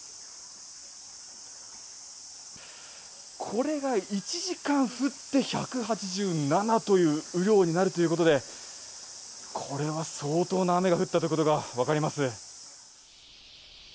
これが１時間降って１８７という雨量になるということで、これは相当な雨が降ったということが分かります。